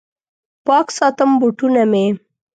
پاک ساتم بوټونه مې